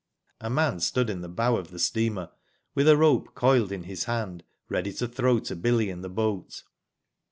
A man stood in the bow of the steamer, with a rope coiled in his hand ready to throw to Billy in the boat.